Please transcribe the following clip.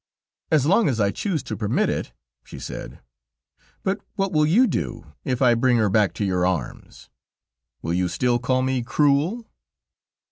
"As long as I choose to permit it," she said; "but what will you do, if I bring her back to your arms? Will you still call me cruel?"